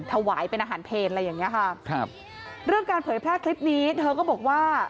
ถวายเป็นอาหารเพลอะไรอย่างเงี้ยค่ะครับเรื่องการเผยแพร่คลิปนี้เธอก็บอกว่า